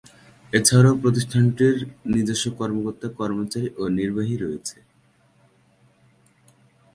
এছাড়াও প্রতিষ্ঠানটির নিজস্ব কর্মকর্তা কর্মচারী ও নির্বাহী রয়েছে।